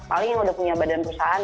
paling yang udah punya badan perusahaan